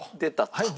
はい。